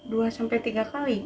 dua sampai tiga kali